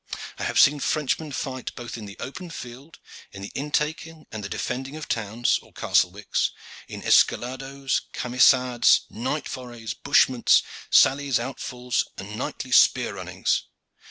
I have seen Frenchmen fight both in open field, in the intaking and the defending of towns or castlewicks, in escalados, camisades, night forays, bushments, sallies, outfalls, and knightly spear runnings.